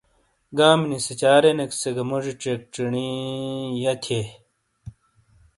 گامی نی سِیچارینیک سے گہ موجی چیک چینی یہہ تھیئے۔